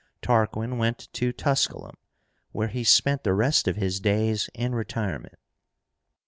Tarquin went to Tusculum, where he spent the rest of his days in retirement.